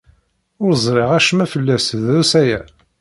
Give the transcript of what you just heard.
Ur ẓriɣ acemma fell-as drus aya.